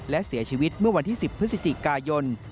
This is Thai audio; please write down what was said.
และเสียชีวิตเมื่อวันที่๑๐พฤศจิกายน